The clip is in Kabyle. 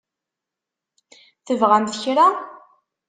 Tebɣamt kra?